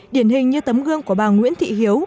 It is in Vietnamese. điển hình như tấm gương của bà nguyễn thị hiếu